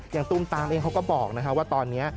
อย่างตูมตามเองเขาก็บอกนะฮะว่าตอนนี้